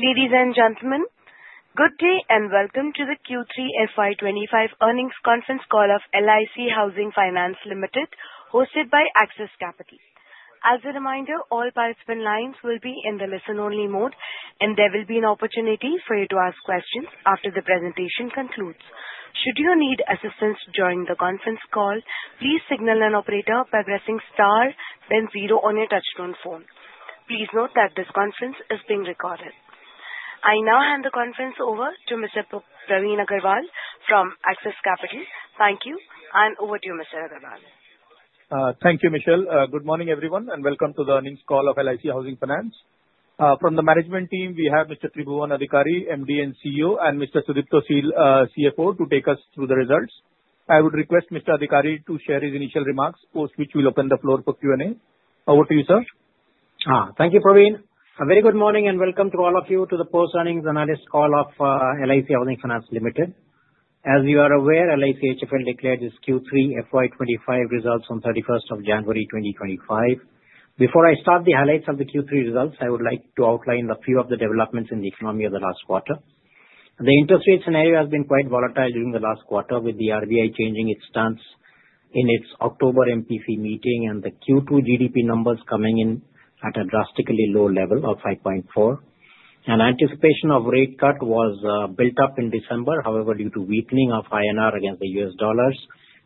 Ladies and gentlemen, good day and welcome to the Q3 FY 2025 earnings conference call of LIC Housing Finance Limited, hosted by Axis Capital. As a reminder, all participant lines will be in the listen-only mode, and there will be an opportunity for you to ask questions after the presentation concludes. Should you need assistance during the conference call, please signal an operator by pressing star then zero on your touch-tone phone. Please note that this conference is being recorded. I now hand the conference over to Mr. Praveen Agarwal from Axis Capital. Thank you, and over to you, Mr. Agarwal. Thank you, Michelle. Good morning, everyone, and welcome to the earnings call of LIC Housing Finance. From the management team, we have Mr. Tribhuwan Adhikari, MD and CEO, and Mr. Sudipto Sil, CFO, to take us through the results. I would request Mr. Adhikari to share his initial remarks, post which we'll open the floor for Q&A. Over to you, sir. Thank you, Praveen. A very good morning and welcome to all of you to the post-earnings analyst call of LIC Housing Finance Limited. As you are aware, LIC HFL declared its Q3 FY 2025 results on 31st January 2025. Before I start the highlights of the Q3 results, I would like to outline a few of the developments in the economy of the last quarter. The interest rate scenario has been quite volatile during the last quarter, with the RBI changing its stance in its October MPC meeting and the Q2 GDP numbers coming in at a drastically low level of 5.4%. Anticipation of rate cut was built up in December, however, due to weakening of INR against the US dollars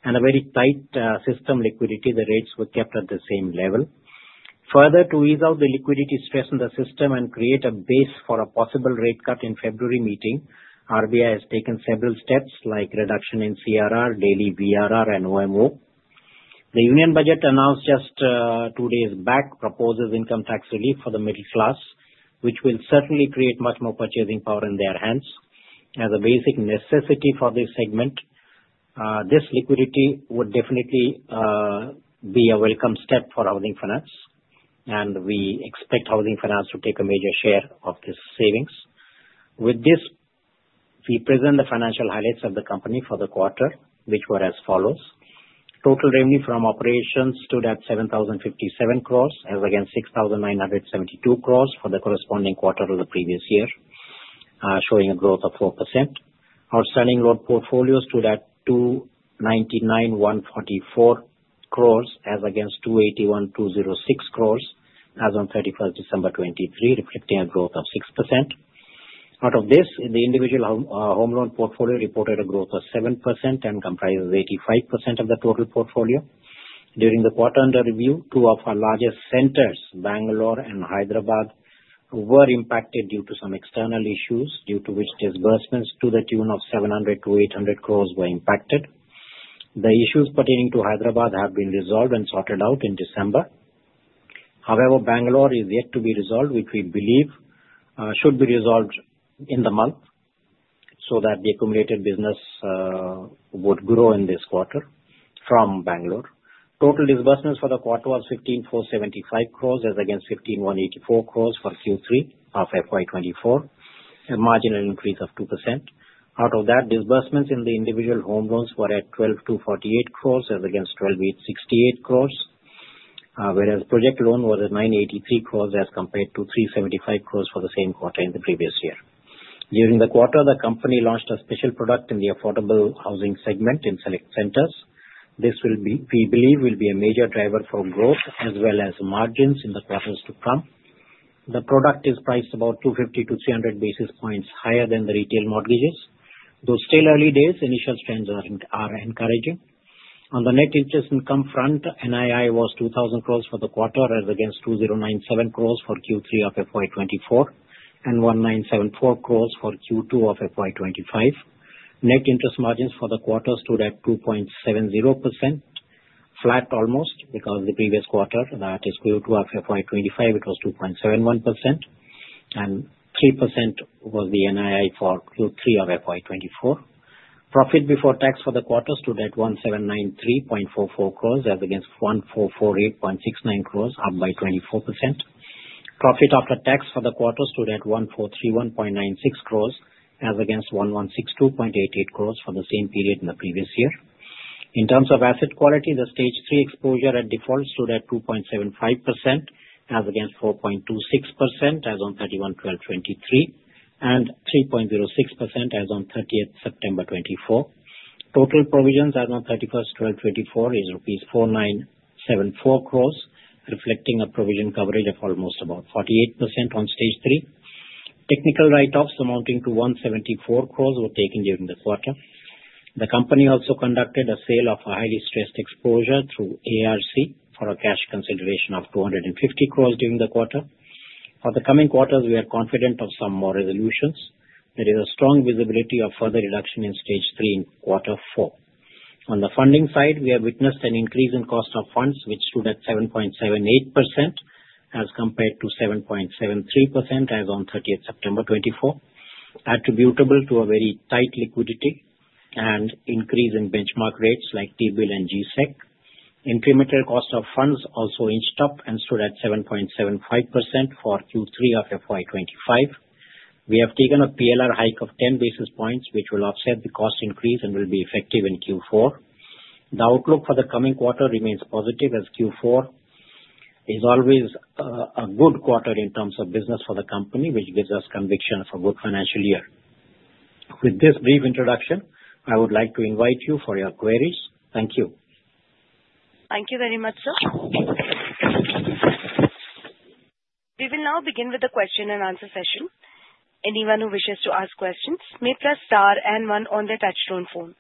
and a very tight system liquidity, the rates were kept at the same level. Further, to ease out the liquidity stress in the system and create a base for a possible rate cut in February meeting, RBI has taken several steps like reduction in CRR, daily VRR, and OMO. The Union Budget announced just two days back proposes income tax relief for the middle class, which will certainly create much more purchasing power in their hands. As a basic necessity for this segment, this liquidity would definitely be a welcome step for housing finance, and we expect housing finance to take a major share of this savings. With this, we present the financial highlights of the company for the quarter, which were as follows: Total revenue from operations stood at 7,057 crores as against 6,972 crores for the corresponding quarter of the previous year, showing a growth of 4%. Outstanding loan portfolios stood at 299,144 crores as against 281,206 crores as of 31st December 2023, reflecting a growth of 6%. Out of this, the Individual Home Loan portfolio reported a growth of 7% and comprises 85% of the total portfolio. During the quarter-end review, two of our largest centers, Bangalore and Hyderabad, were impacted due to some external issues, due to which disbursements to the tune of 700 crores-800 crores were impacted. The issues pertaining to Hyderabad have been resolved and sorted out in December. However, Bangalore is yet to be resolved, which we believe should be resolved in the month so that the accumulated business would grow in this quarter from Bangalore. Total disbursements for the quarter was 1,575 crores as against 1,584 crores for Q3 of FY 2024, a marginal increase of 2%. Out of that, disbursements in the Individual Home Loans were at 1,248 crores as against 1,268 crores, whereas project loan was at 983 crores as compared to 375 crores for the same quarter in the previous year. During the quarter, the company launched a special product in the affordable housing segment in select centers. This we believe will be a major driver for growth as well as margins in the quarters to come. The product is priced about 250-300 basis points higher than the retail mortgages. Though still early days, initial trends are encouraging. On the net interest income front, NII was 2,000 crores for the quarter as against 2,097 crores for Q3 of FY 2024 and 1,974 crores for Q2 of FY 2025. Net interest margins for the quarter stood at 2.70%, flat almost because the previous quarter, that is Q2 of FY 2025, it was 2.71%, and 3% was the NII for Q3 of FY 2024. Profit before tax for the quarter stood at 1,793.44 crores as against 1,448.69 crores, up by 24%. Profit after tax for the quarter stood at 1,431.96 crores as against 1,162.88 crores for the same period in the previous year. In terms of asset quality, the Stage III exposure at default stood at 2.75% as against 4.26% as on 31/12/2023 and 3.06% as on 30th September 2024. Total provisions as on 31/12/2024 is rupees 4,974 crores, reflecting a provision coverage of almost about 48% on Stage III. Technical write-offs amounting to 174 crores were taken during the quarter. The company also conducted a sale of a highly stressed exposure through ARC for a cash consideration of 250 crores during the quarter. For the coming quarters, we are confident of some more resolutions. There is a strong visibility of further reduction in Stage III in quarter four. On the funding side, we have witnessed an increase in cost of funds, which stood at 7.78% as compared to 7.73% as on 30th September 2024, attributable to a very tight liquidity and increase in benchmark rates like T-Bill and G-Sec. Incremental cost of funds also inched up and stood at 7.75% for Q3 of FY 2025. We have taken a PLR hike of 10 basis points, which will offset the cost increase and will be effective in Q4. The outlook for the coming quarter remains positive as Q4 is always a good quarter in terms of business for the company, which gives us conviction of a good financial year. With this brief introduction, I would like to invite you for your queries. Thank you. Thank you very much, sir. We will now begin with the question and answer session. Anyone who wishes to ask questions may press star and one on their touch-tone phone.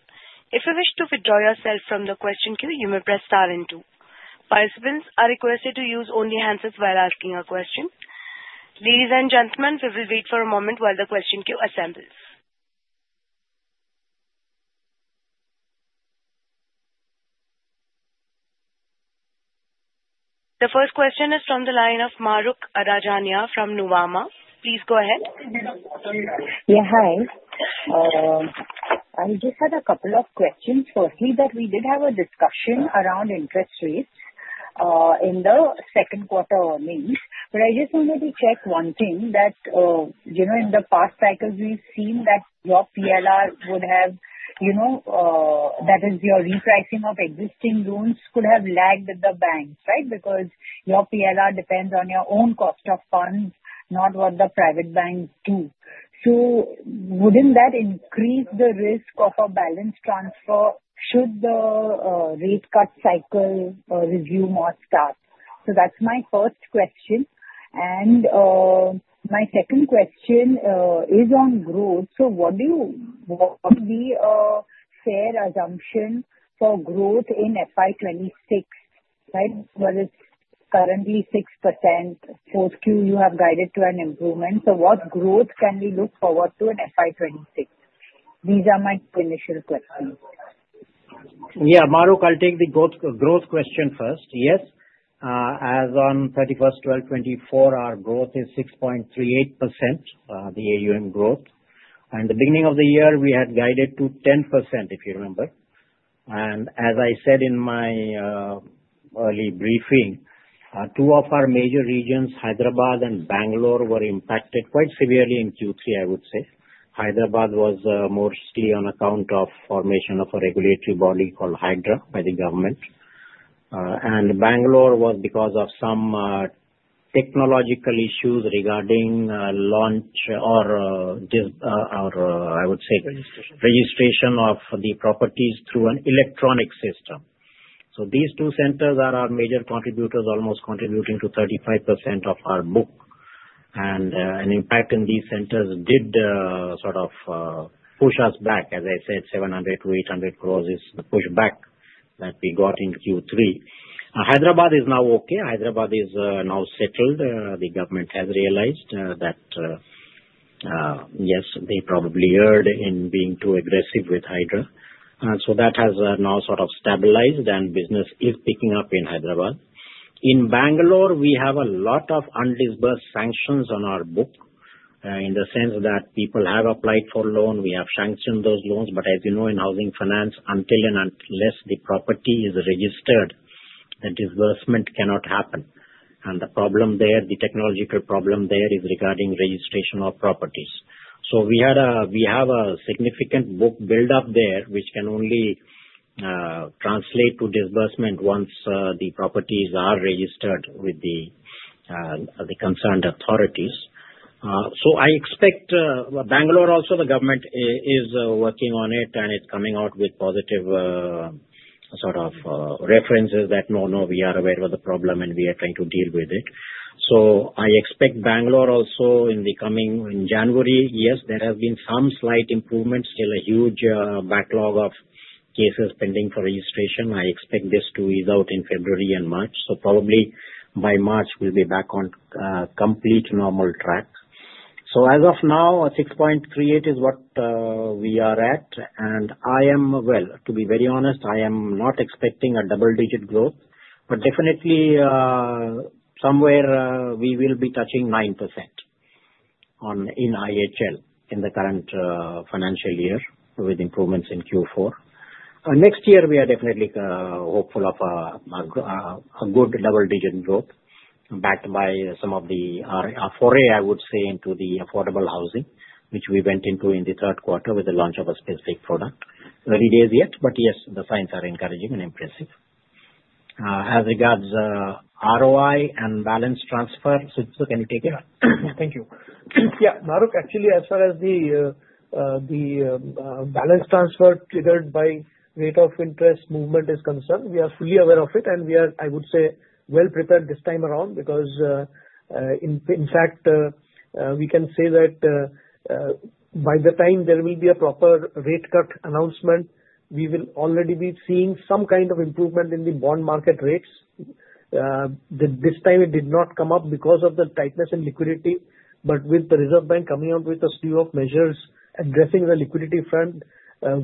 If you wish to withdraw yourself from the question queue, you may press star and two. Participants are requested to use only handsets while asking a question. Ladies and gentlemen, we will wait for a moment while the question queue assembles. The first question is from the line of Mahrukh Adajania from Nuvama. Please go ahead. Yeah, hi. I just had a couple of questions. Firstly, that we did have a discussion around interest rates in the second quarter earnings. But I just wanted to check one thing, that in the past cycles, we've seen that your PLR would have, that is, your repricing of existing loans could have lagged with the banks, right? Because your PLR depends on your own cost of funds, not what the private banks do. So wouldn't that increase the risk of a balance transfer should the rate cut cycle resume or start? So that's my first question. And my second question is on growth. So what would be a fair assumption for growth in FY 2026, right? Where it's currently 6%, 4Q you have guided to an improvement. So what growth can we look forward to in FY 2026? These are my initial questions. Yeah, Mahrukh, I'll take the growth question first. Yes, as on 31/12/2024, our growth is 6.38%, the AUM growth. And the beginning of the year, we had guided to 10%, if you remember. And as I said in my early briefing, two of our major regions, Hyderabad and Bangalore, were impacted quite severely in Q3, I would say. Hyderabad was mostly on account of the formation of a regulatory body called HYDRAA by the government. And Bangalore was because of some technological issues regarding launch or, I would say, registration of the properties through an electronic system. So these two centers are our major contributors, almost contributing to 35% of our book. And an impact in these centers did sort of push us back, as I said, 700 crores-800 crores is the pushback that we got in Q3. Hyderabad is now okay. Hyderabad is now settled. The government has realized that, yes, they probably erred in being too aggressive with HYDRAA, so that has now sort of stabilized, and business is picking up in Hyderabad. In Bangalore, we have a lot of undisbursed sanctions on our book in the sense that people have applied for loans. We have sanctioned those loans, but as you know, in housing finance, until and unless the property is registered, the disbursement cannot happen, and the problem there, the technological problem there, is regarding registration of properties, so we have a significant book buildup there, which can only translate to disbursement once the properties are registered with the concerned authorities, so I expect Bangalore also, the government is working on it, and it's coming out with positive sort of references that, no, no, we are aware of the problem, and we are trying to deal with it. So I expect Bangalore also, in the coming January. Yes, there has been some slight improvement, still a huge backlog of cases pending for registration. I expect this to ease out in February and March. So probably by March, we'll be back on complete normal track. So as of now, 6.38% is what we are at. And I am, well, to be very honest, I am not expecting a double-digit growth, but definitely somewhere we will be touching 9% in IHL in the current financial year with improvements in Q4. Next year, we are definitely hopeful of a good double-digit growth backed by some of the foray, I would say, into the affordable housing, which we went into in the third quarter with the launch of a specific product. Early days yet, but yes, the signs are encouraging and impressive. As regards ROI and balance transfer, Sudipto, can you take it? Thank you. Yeah, Mahrukh, actually, as far as the balance transfer triggered by rate of interest movement is concerned, we are fully aware of it, and we are, I would say, well prepared this time around because, in fact, we can say that by the time there will be a proper rate cut announcement, we will already be seeing some kind of improvement in the bond market rates. This time, it did not come up because of the tightness in liquidity, but with the Reserve Bank coming out with a slew of measures addressing the liquidity front,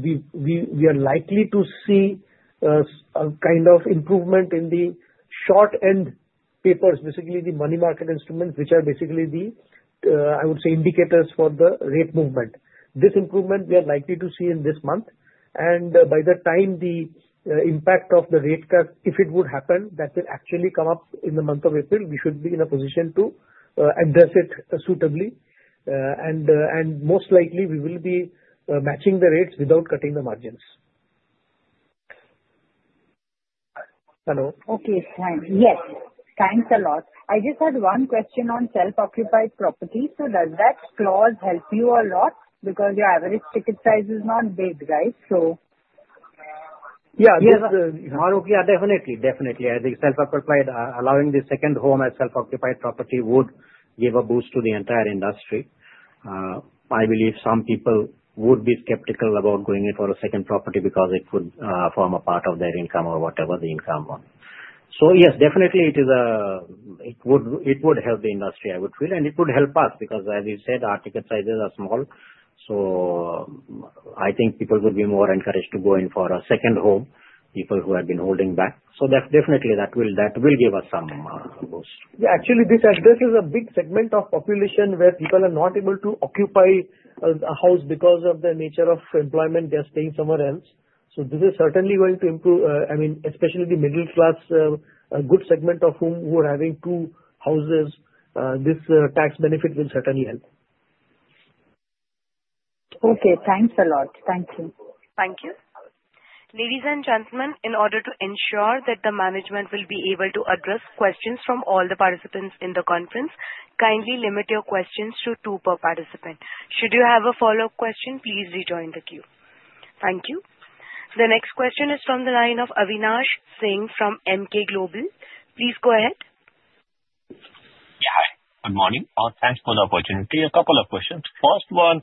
we are likely to see a kind of improvement in the short-end papers, basically the money market instruments, which are basically the, I would say, indicators for the rate movement. This improvement, we are likely to see in this month. And by the time the impact of the rate cut, if it would happen that will actually come up in the month of April, we should be in a position to address it suitably. And most likely, we will be matching the rates without cutting the margins. Hello? Okay. Yes. Thanks a lot. I just had one question on self-occupied property. So does that clause help you a lot? Because your average ticket size is not big, right? So. Yeah, Mahrukh, yeah, definitely. Definitely. I think self-occupied, allowing the second home as self-occupied property would give a boost to the entire industry. I believe some people would be skeptical about going in for a second property because it would form a part of their income or whatever the income was. So yes, definitely, it would help the industry, I would feel. And it would help us because, as you said, our ticket sizes are small. So I think people would be more encouraged to go in for a second home, people who have been holding back. So definitely, that will give us some boost. Yeah, actually, this is a big segment of population where people are not able to occupy a house because of the nature of employment. They're staying somewhere else. So this is certainly going to improve, I mean, especially the middle class, a good segment of whom who are having two houses. This tax benefit will certainly help. Okay. Thanks a lot. Thank you. Thank you. Ladies and gentlemen, in order to ensure that the management will be able to address questions from all the participants in the conference, kindly limit your questions to two per participant. Should you have a follow-up question, please rejoin the queue. Thank you. The next question is from the line of Avinash Singh from Emkay Global. Please go ahead. Yeah, hi. Good morning. Thanks for the opportunity. A couple of questions. First one,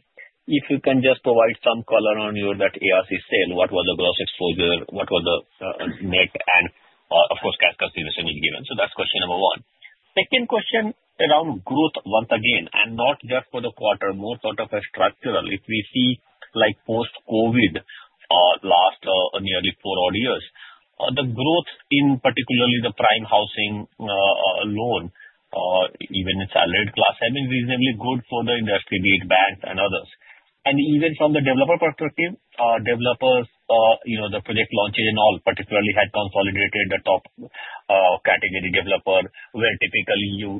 if you can just provide some color on your ARC sale, what was the gross exposure? What was the net? And of course, cash consideration is given. So that's question number one. Second question around growth once again, and not just for the quarter, more sort of a structural. If we see post-COVID last nearly four odd years, the growth in particularly the Prime Housing Loan, even in salaried class, has been reasonably good for the industry, big banks, and others. And even from the developer perspective, developers, the project launches and all, particularly had consolidated the top category developer where typically you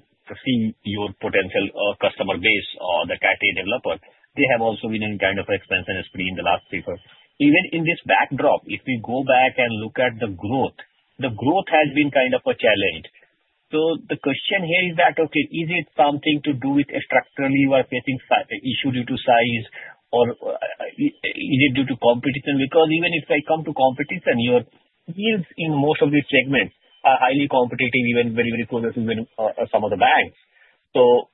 see your potential customer base or the category developer. They have also been in kind of expansion spree in the last three years. Even in this backdrop, if we go back and look at the growth, the growth has been kind of a challenge. So the question here is that, okay, is it something to do with structurally you are facing issue due to size or is it due to competition? Because even if they come to competition, your yields in most of these segments are highly competitive, even very, very close to some of the banks. So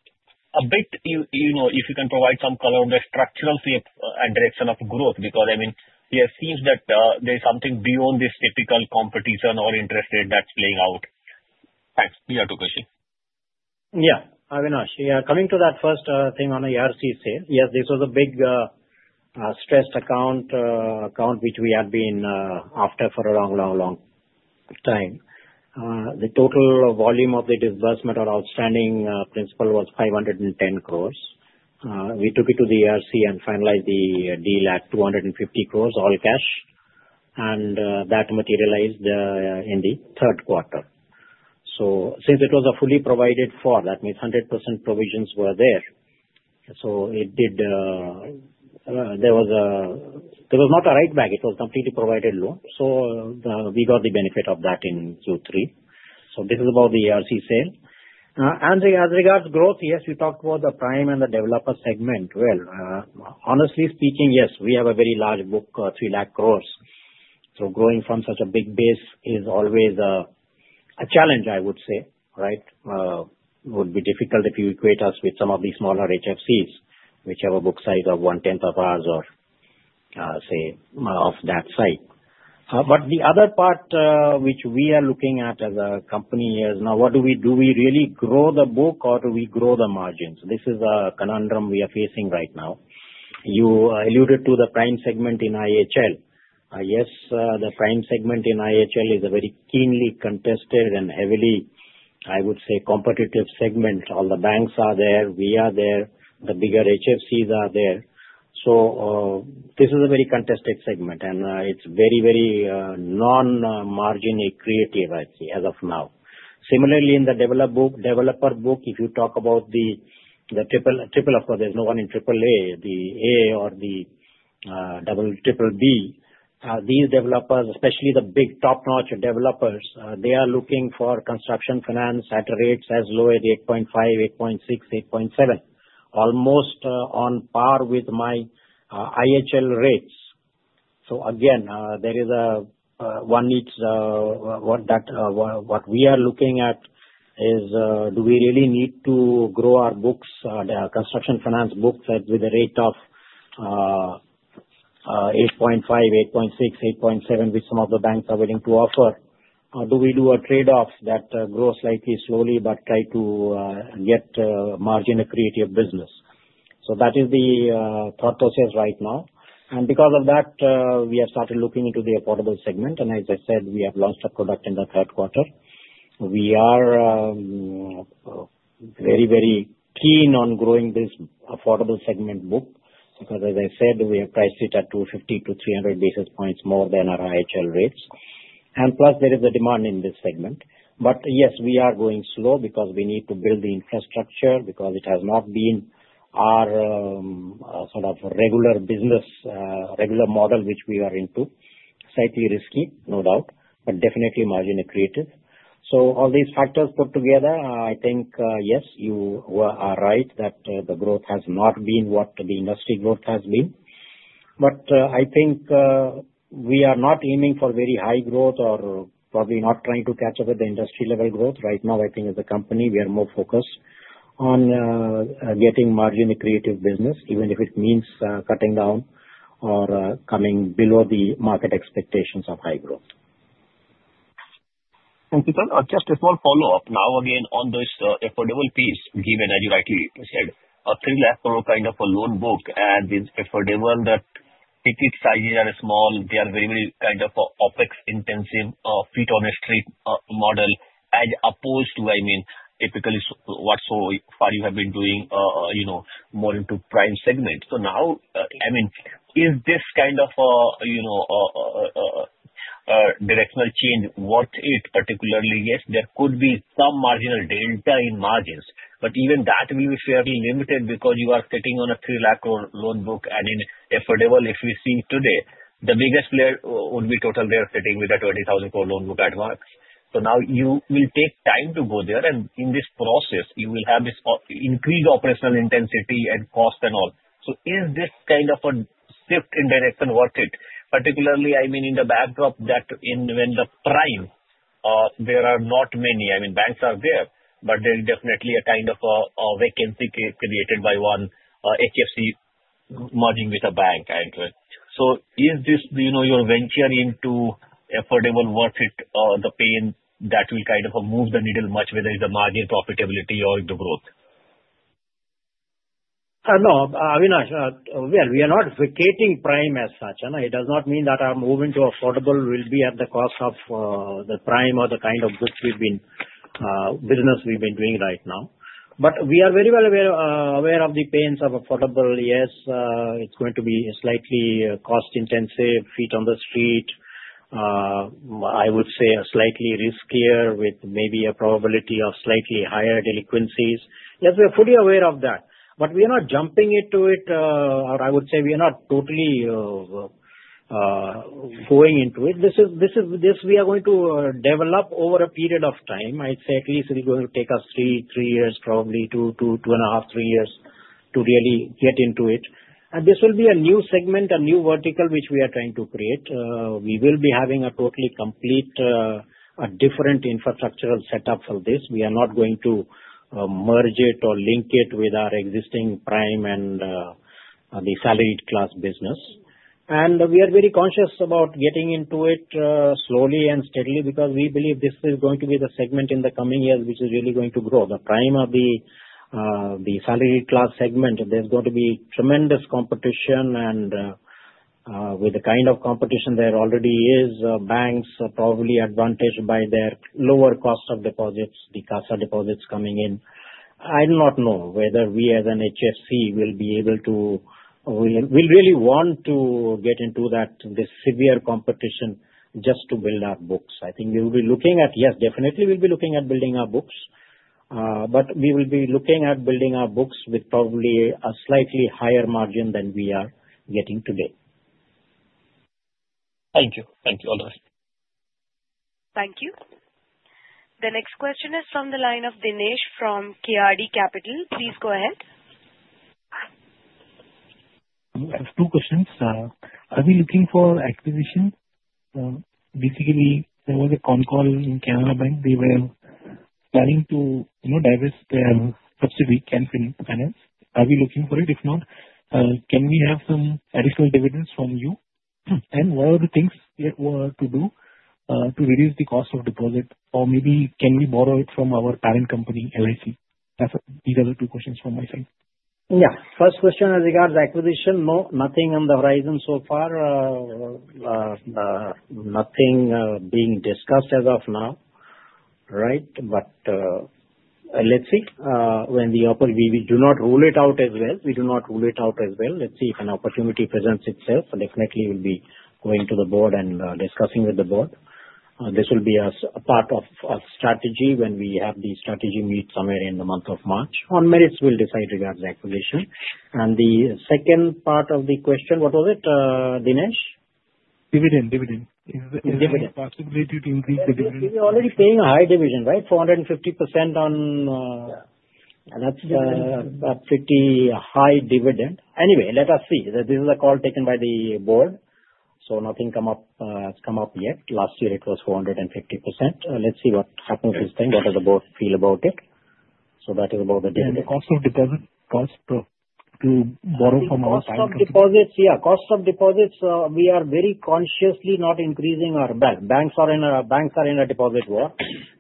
a bit, if you can provide some color on the structural and direction of growth, because I mean, it seems that there is something beyond this typical competition or interest rate that's playing out. Thanks. You have two questions. Yeah, Avinash, yeah, coming to that first thing on the ARC sale, yes, this was a big stressed account, account which we had been after for a long, long, long time. The total volume of the disbursement or outstanding principal was 510 crores. We took it to the ARC and finalized the deal at 250 crores all cash. And that materialized in the third quarter. So since it was a fully provided for, that means 100% provisions were there. So there was not a write-back. It was completely provided loan. So we got the benefit of that in Q3. So this is about the ARC sale. And as regards growth, yes, we talked about the Prime and the developer segment. Well, honestly speaking, yes, we have a very large book, 3 lakh crores. So growing from such a big base is always a challenge, I would say, right? It would be difficult if you equate us with some of the smaller HFCs, which have a book size of one-tenth of ours or say of that size. But the other part which we are looking at as a company is now, what do we do? Do we really grow the book or do we grow the margins? This is a conundrum we are facing right now. You alluded to the Prime segment in IHL. Yes, the Prime segment in IHL is a very keenly contested and heavily, I would say, competitive segment. All the banks are there. We are there. The bigger HFCs are there. So this is a very contested segment. And it's very, very non-margin-accretive, I'd say, as of now. Similarly, in the developer book, if you talk about the triple, of course, there's no one in AAA, the A or the BBB. These developers, especially the big top-notch developers, they are looking for construction finance at rates as low as 8.5%, 8.6%, 8.7%, almost on par with my IHL rates. So again, there is one need. What we are looking at is, do we really need to grow our books, construction finance books with a rate of 8.5%, 8.6%, 8.7%, which some of the banks are willing to offer? Or do we do a trade-off that grows slightly slower but try to get margin-accretive business? So that is the thought process right now. And because of that, we have started looking into the affordable segment. And as I said, we have launched a product in the third quarter. We are very, very keen on growing this affordable segment book because, as I said, we have priced it at 250-300 basis points more than our IHL rates. And plus, there is a demand in this segment. But yes, we are going slow because we need to build the infrastructure because it has not been our sort of regular business, regular model which we are into. Slightly risky, no doubt, but definitely margin accretive. So all these factors put together, I think, yes, you are right that the growth has not been what the industry growth has been. But I think we are not aiming for very high growth or probably not trying to catch up with the industry-level growth. Right now, I think as a company, we are more focused on getting margin-accretive business, even if it means cutting down or coming below the market expectations of high growth. Thank you, sir. Just a small follow-up now, again, on this affordable piece, given, as you rightly said, a 3 lakh crore kind of a loan book, and this affordable that ticket sizes are small, they are very, very kind of OpEx-intensive feet-on-the-street model as opposed to, I mean, typically what so far you have been doing more into Prime segment. So now, I mean, is this kind of directional change worth it? Particularly, yes, there could be some marginal delta in margins. But even that will be fairly limited because you are sitting on a 3 lakh crore loan book. And in affordable, if we see today, the biggest player would be Aadhar sitting with a 20,000 crore loan book at once. So now you will take time to go there. And in this process, you will have this increased operational intensity and cost and all. So is this kind of a shift in direction worth it? Particularly, I mean, in the backdrop that when the Prime, there are not many. I mean, banks are there, but there is definitely a kind of a vacancy created by one HFC merging with a bank. So is this your venture into affordable worth it? The pain that will kind of move the needle much, whether it's the margin profitability or the growth? No, Avinash, well, we are not vacating Prime as such. And it does not mean that our movement to affordable will be at the cost of the Prime or the kind of business we've been doing right now. But we are very well aware of the pains of affordable. Yes, it's going to be slightly cost-intensive, feet-on-the-street, I would say slightly riskier with maybe a probability of slightly higher delinquencies. Yes, we are fully aware of that. But we are not jumping into it, or I would say we are not totally going into it. This we are going to develop over a period of time. I'd say at least it's going to take us three, three years, probably two, two and a half, three years to really get into it. And this will be a new segment, a new vertical which we are trying to create. We will be having a totally complete, a different infrastructural setup for this. We are not going to merge it or link it with our existing Prime and the salaried class business. And we are very conscious about getting into it slowly and steadily because we believe this is going to be the segment in the coming years which is really going to grow. The Prime or the salaried class segment, there's going to be tremendous competition. And with the kind of competition there already is, banks are probably advantaged by their lower cost of deposits, the CASA deposits coming in. I do not know whether we as an HFC will be able to, we'll really want to get into that, this severe competition just to build our books. I think we will be looking at, yes, definitely we'll be looking at building our books. But we will be looking at building our books with probably a slightly higher margin than we are getting today. Thank you. Thank you. All the best. Thank you. The next question is from the line of Dinesh from KRD Capital. Please go ahead. I have two questions. Are we looking for acquisition? Basically, there was a phone call in Canara Bank. They were planning to divest their subsidiary Can Fin. Are we looking for it? If not, can we have some additional dividends from you? And what are the things to do to reduce the cost of deposit? Or maybe can we borrow it from our parent company, LIC? These are the two questions from my side. Yeah. First question with regards to acquisition, no, nothing on the horizon so far. Nothing being discussed as of now, right? But let's see. When we do not rule it out as well. Let's see if an opportunity presents itself. Definitely, we'll be going to the board and discussing with the board. This will be a part of our strategy when we have the strategy meet somewhere in the month of March. On merits, we'll decide regards to acquisition. And the second part of the question, what was it, Dinesh? Dividend. Is there a possibility to increase the dividend? We are already paying a high dividend, right? 450% on that. That's a pretty high dividend. Anyway, let us see. This is a call taken by the board, so nothing has come up yet. Last year, it was 450%. Let's see what happens with things, what does the board feel about it, so that is about the dividend. The cost of deposit? Cost to borrow from our term? Cost of deposits, yeah. Cost of deposits, we are very consciously not increasing our bank. Banks are in a deposit war.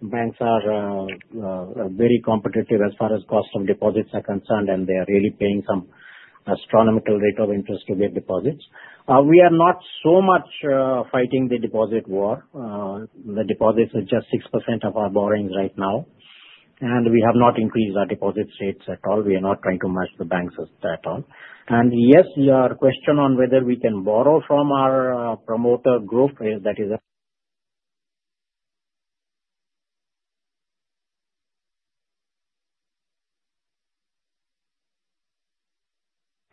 Banks are very competitive as far as cost of deposits are concerned, and they are really paying some astronomical rate of interest to their deposits. We are not so much fighting the deposit war. The deposits are just 6% of our borrowings right now. And we have not increased our deposit rates at all. We are not trying to match the banks at all. And yes, your question on whether we can borrow from our promoter group, that is.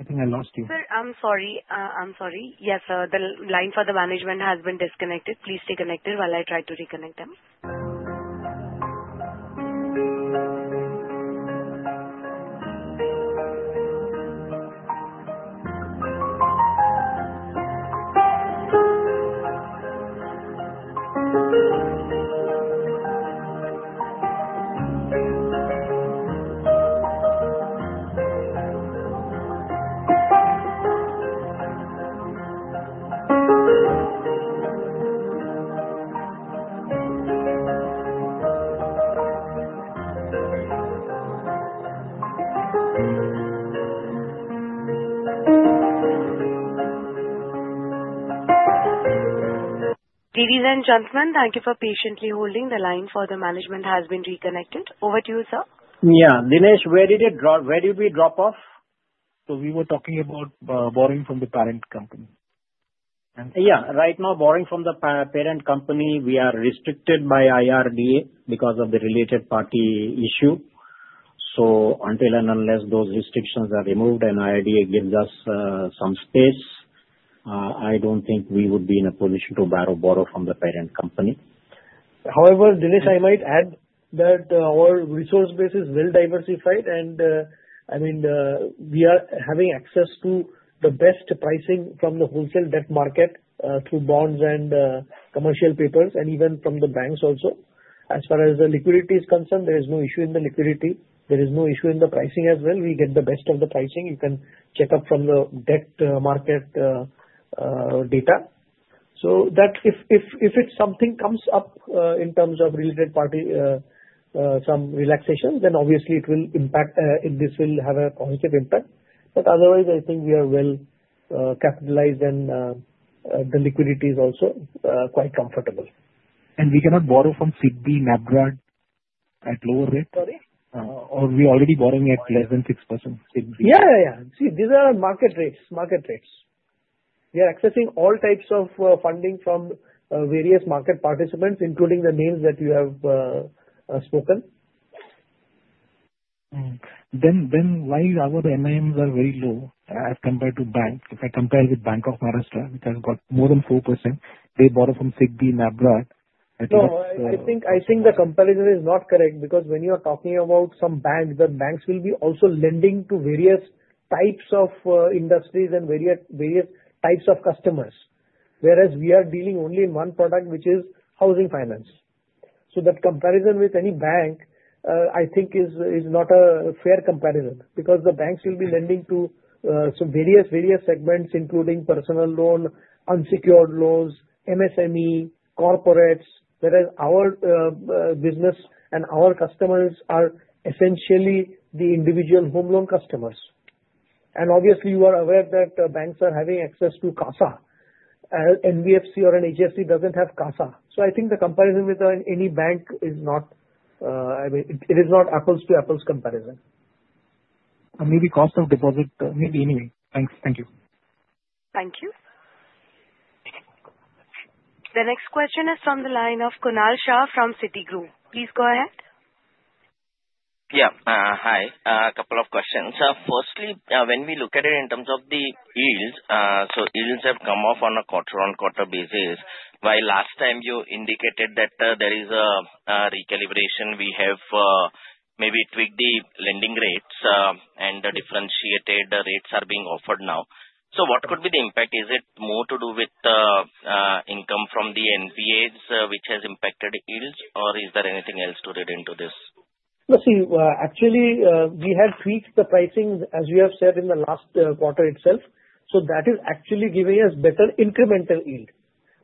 I think I lost you. Sir, I'm sorry. I'm sorry. Yes, the line for the management has been disconnected. Please stay connected while I try to reconnect them. Ladies and gentlemen, thank you for patiently holding. The line for the management has been reconnected. Over to you, sir. Yeah. Dinesh, where did we drop off? We were talking about borrowing from the parent company. Yeah. Right now, borrowing from the parent company, we are restricted by IRDAI because of the related party issue. So until and unless those restrictions are removed and IRDAI gives us some space, I don't think we would be in a position to borrow from the parent company. However, Dinesh, I might add that our resource base is well diversified. And I mean, we are having access to the best pricing from the wholesale debt market through bonds and commercial papers, and even from the banks also. As far as the liquidity is concerned, there is no issue in the liquidity. There is no issue in the pricing as well. We get the best of the pricing. You can check up from the debt market data. So that if something comes up in terms of related party, some relaxation, then obviously it will impact, and this will have a positive impact. But otherwise, I think we are well capitalized, and the liquidity is also quite comfortable. We cannot borrow from SIDBI, NABARD at lower rate? Sorry? Or we are already borrowing at less than 6%? Yeah, yeah, yeah. See, these are market rates. Market rates. We are accessing all types of funding from various market participants, including the names that you have spoken. Then why are the NIMs very low as compared to bank? If I compare with Bank of Maharashtra, which has got more than 4%, they borrow from SIDBI, NABARD. No, I think the comparison is not correct because when you are talking about some banks, the banks will be also lending to various types of industries and various types of customers. Whereas we are dealing only in one product, which is housing finance. So that comparison with any bank, I think, is not a fair comparison because the banks will be lending to various segments, including personal loan, unsecured loans, MSME, corporates. Whereas our business and our customers are essentially the Individual Home Loan customers. And obviously, you are aware that banks are having access to CASA. NBFC or an HFC doesn't have CASA. So I think the comparison with any bank is not, I mean, it is not apples to apples comparison. Maybe cost of deposit, maybe anyway. Thanks. Thank you. Thank you. The next question is from the line of Kunal Shah from Citigroup. Please go ahead. Yeah. Hi. A couple of questions. Firstly, when we look at it in terms of the yields, so yields have come off on a quarter-on-quarter basis. While last time you indicated that there is a recalibration, we have maybe tweaked the lending rates, and the differentiated rates are being offered now. So what could be the impact? Is it more to do with income from the NPAs, which has impacted yields, or is there anything else to read into this? See, actually, we have tweaked the pricing, as you have said, in the last quarter itself. So that is actually giving us better incremental yield.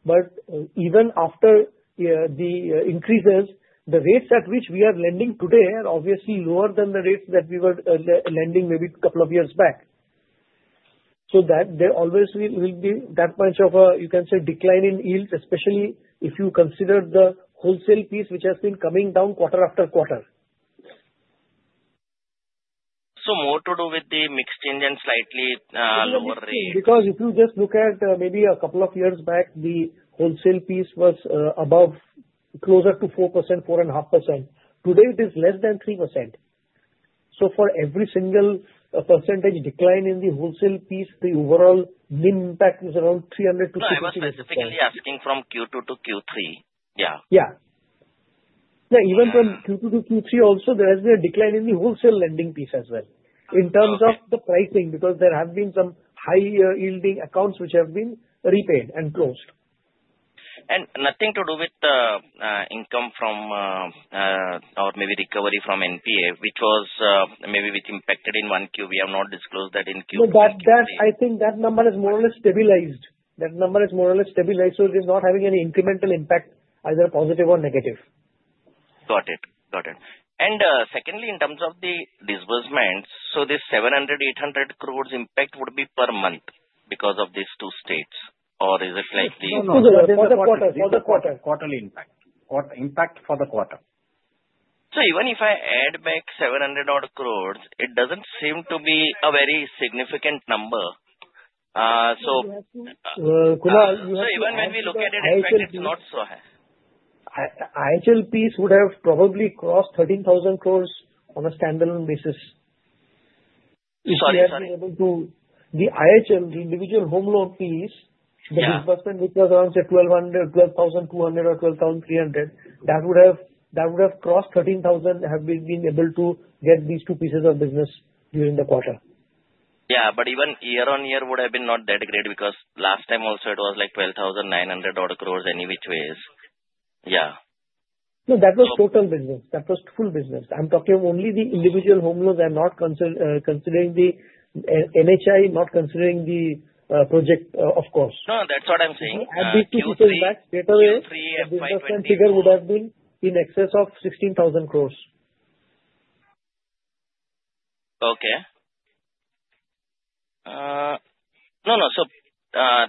But even after the increases, the rates at which we are lending today are obviously lower than the rates that we were lending maybe a couple of years back. So there always will be that much of a, you can say, decline in yields, especially if you consider the wholesale piece, which has been coming down quarter after quarter. So more to do with the mixed yields and slightly lower rate? Because if you just look at maybe a couple of years back, the wholesale piece was above, closer to 4%, 4.5%. Today, it is less than 3%. So for every single percentage decline in the wholesale piece, the overall NIM impact is around 300-600 basis points. So I was specifically asking from Q2 to Q3. Yeah. Yeah. Even from Q2 to Q3 also, there has been a decline in the wholesale lending piece as well in terms of the pricing because there have been some high-yielding accounts which have been repaid and closed. Nothing to do with the income from or maybe recovery from NPA, which was maybe impacted in 1Q. We have not disclosed that in Q2. I think that number is more or less stabilized. So it is not having any incremental impact, either positive or negative. Got it. Got it. And secondly, in terms of the disbursements, so this 700 crores-800 crores impact would be per month because of these two states. Or is it like the? No, no, no. For the quarter. For the quarter. Quarterly impact. Impact for the quarter. So even if I add back 700 odd crores, it doesn't seem to be a very significant number. So. So even when we look at it, it's not so high. IHL piece would have probably crossed 13,000 crores on a standalone basis. Sorry, sorry. The IHL, the Individual Home Loan piece, the disbursement, which was around 12,200 crores or 12,300 crores, that would have crossed 13,000 crores, have been able to get these two pieces of business during the quarter. Yeah. But even year on year would have been not that great because last time also it was like 12,900 odd crores any which ways. Yeah. No, that was total business. That was full business. I'm talking of only the Individual Home Loans. I'm not considering the NHI, not considering the project, of course. No, that's what I'm saying. These two years back, straight away, the disbursement figure would have been in excess of 16,000 crores. Okay. No, no. So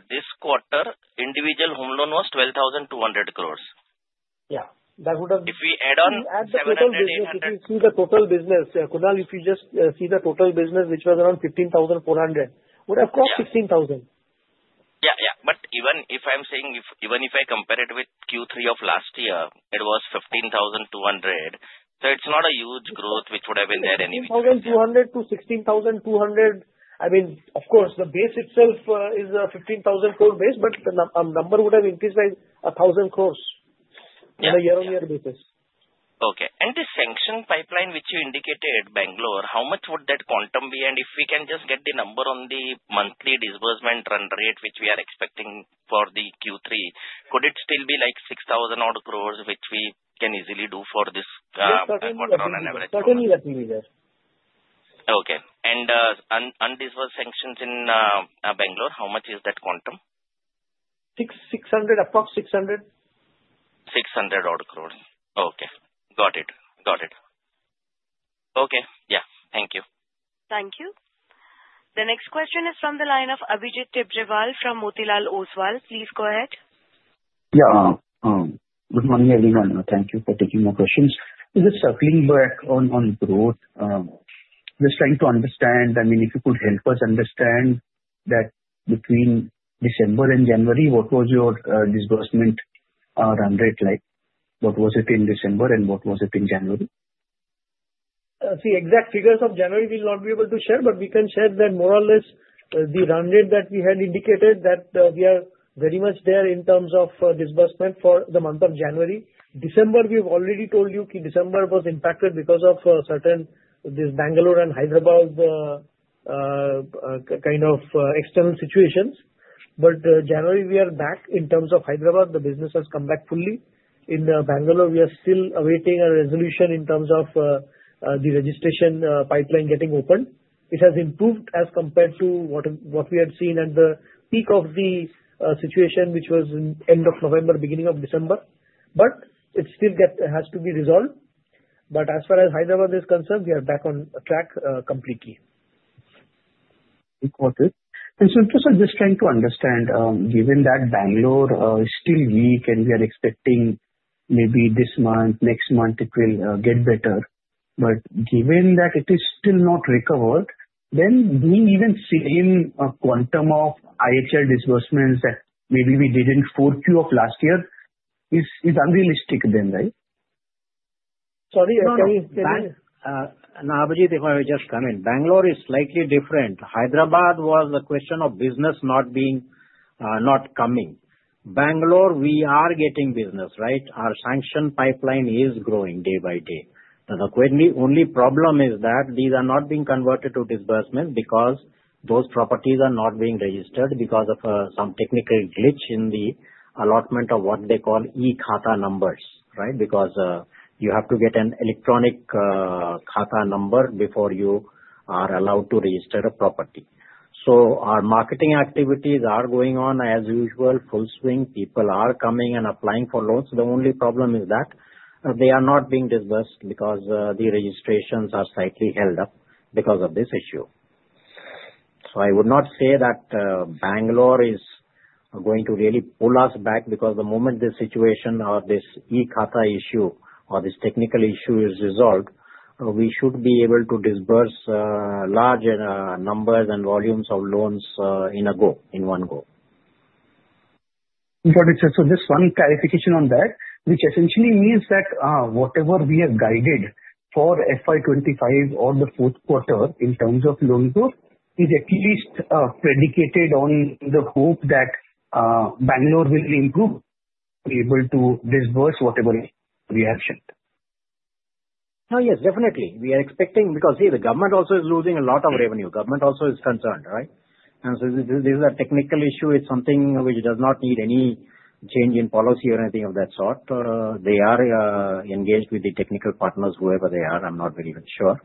this quarter, Individual Home Loan was 12,200 crores. Yeah. That would have. If we add on INR 700 crores, INR 800 crores. If you see the total business, Kunal, if you just see the total business, which was around 15,400 crore, would have crossed 16,000 crore. Yeah, yeah. But even if I'm saying, even if I compare it with Q3 of last year, it was 15,200 crore. So it's not a huge growth, which would have been there anyway. 15,200 crore-16,200 crore, I mean, of course, the base itself is a 15,000 crore base, but the number would have increased by 1,000 crores on a year-on-year basis. Okay. And the sanction pipeline, which you indicated, Bangalore, how much would that quantum be? And if we can just get the number on the monthly disbursement run rate, which we are expecting for the Q3, could it still be like 6,000 odd crores, which we can easily do for this? Yes, certainly. That will be there. Okay. And undisbursed sanctions in Bangalore, how much is that quantum? 600 crore. About 600 crore. 600 odd crores. Okay. Got it. Got it. Okay. Yeah. Thank you. Thank you. The next question is from the line of Abhijit Tibrewal from Motilal Oswal. Please go ahead. Yeah. Good morning, everyone. Thank you for taking my questions. Is it circling back on growth? Just trying to understand, I mean, if you could help us understand that between December and January, what was your disbursement run rate like? What was it in December, and what was it in January? See, exact figures of January we'll not be able to share, but we can share that more or less the run rate that we had indicated that we are very much there in terms of disbursement for the month of January. December, we've already told you the December was impacted because of certain Bangalore and Hyderabad kind of external situations, but January, we are back. In terms of Hyderabad, the business has come back fully. In Bangalore, we are still awaiting a resolution in terms of the registration pipeline getting opened. It has improved as compared to what we had seen at the peak of the situation, which was end of November, beginning of December, but it still has to be resolved, but as far as Hyderabad is concerned, we are back on track completely. Okay, and so just trying to understand, given that Bangalore is still weak and we are expecting maybe this month, next month it will get better, but given that it is still not recovered, then even seeing a quantum of IHL disbursements that maybe we did in Q4 of last year is unrealistic then, right? Sorry, sorry. No, Abhijit, if I may just come in. Bangalore is slightly different. Hyderabad was a question of business not coming. Bangalore, we are getting business, right? Our sanction pipeline is growing day by day. The only problem is that these are not being converted to disbursements because those properties are not being registered because of some technical glitch in the allotment of what they call E-Khata numbers, right? Because you have to get an electronic khata number before you are allowed to register a property. So our marketing activities are going on as usual, full swing. People are coming and applying for loans. The only problem is that they are not being disbursed because the registrations are slightly held up because of this issue. So I would not say that Bangalore is going to really pull us back because the moment this situation or this E-Khata issue or this technical issue is resolved, we should be able to disburse large numbers and volumes of loans in one go. Got it. So just one clarification on that, which essentially means that whatever we have guided for FY 2025 or the fourth quarter in terms of loan growth is at least predicated on the hope that Bangalore will improve, be able to disburse whatever we have shipped. No, yes, definitely. We are expecting because the government also is losing a lot of revenue. Government also is concerned, right? And so this is a technical issue. It's something which does not need any change in policy or anything of that sort. They are engaged with the technical partners, whoever they are. I'm not even very sure.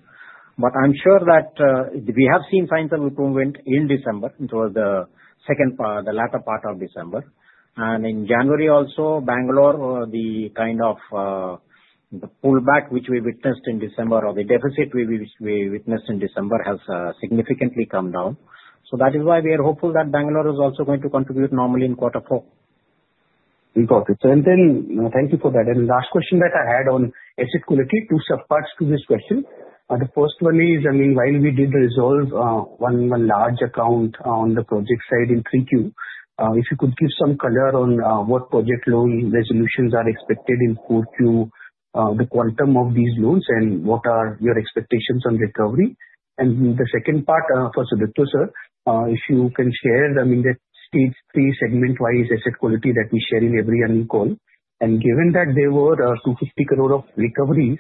But I'm sure that we have seen signs of improvement in December, towards the latter part of December. And in January also, Bangalore, the kind of pullback which we witnessed in December or the deficit we witnessed in December has significantly come down. So that is why we are hopeful that Bangalore is also going to contribute normally in quarter four. Got it. And then thank you for that. And last question that I had on exit quality: two subparts to this question. The first one is, I mean, while we did resolve one large account on the project side in Q3, if you could give some color on what project loan resolutions are expected in Q4, the quantum of these loans, and what are your expectations on recovery. And the second part for Sudipto, sir, if you can share, I mean, the Stage III segment-wise exit quality that we share in every annual call. And given that there were 250 crore of recoveries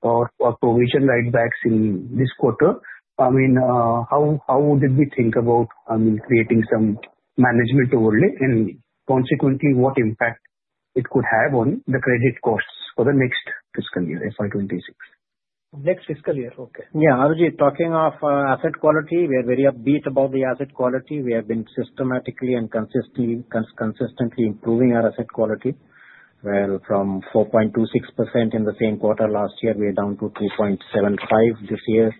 or provision write-backs in this quarter, I mean, how did we think about, I mean, creating some management overlay and consequently what impact it could have on the credit costs for the next fiscal year, FY 2026? Next fiscal year. Okay. Yeah. Abhijit, talking of asset quality, we are very upbeat about the asset quality. We have been systematically and consistently improving our asset quality. Well, from 4.26% in the same quarter last year, we are down to 2.75% this year.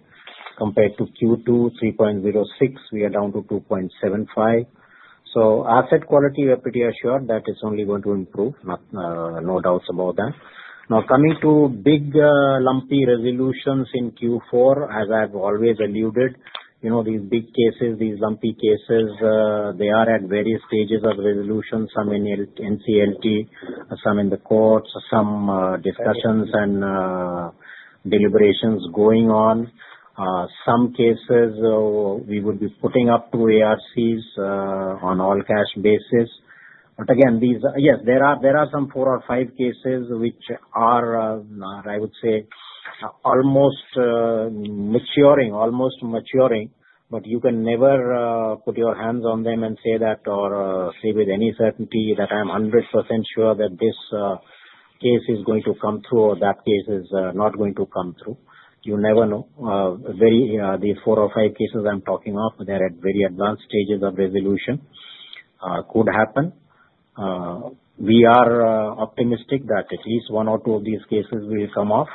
Compared to Q2, 3.06%, we are down to 2.75%. So asset quality, we are pretty assured that it's only going to improve. No doubts about that. Now, coming to big lumpy resolutions in Q4, as I've always alluded, these big cases, these lumpy cases, they are at various stages of resolution. Some in NCLT, some in the courts, some discussions and deliberations going on. Some cases, we would be putting up to ARCs on all-cash basis. But again, yes, there are some four or five cases which are, I would say, almost maturing, but you can never put your hands on them and say that or say with any certainty that I'm 100% sure that this case is going to come through or that case is not going to come through. You never know. These four or five cases I'm talking of, they're at very advanced stages of resolution. Could happen. We are optimistic that at least one or two of these cases will come off